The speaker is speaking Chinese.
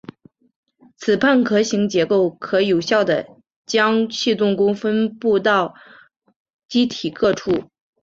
此半壳型结构可有效的将气动力分布到机体各处。